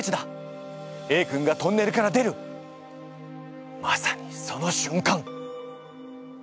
Ａ君がトンネルから出るまさにその瞬間！